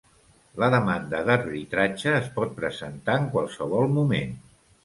La demanda d'arbitratge es pot presentar en qualsevol moment.